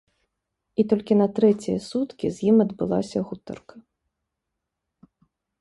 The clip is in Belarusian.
І толькі на трэція суткі з ім адбылася гутарка.